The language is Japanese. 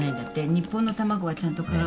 日本の卵はちゃんと殻を。